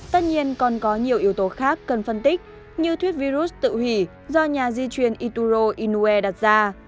tất nhiên còn có nhiều yếu tố khác cần phân tích như thuyết virus tự hủy do nhà di truyền ituro inue đặt ra